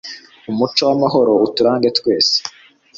Umuco w'amahoro uturange twese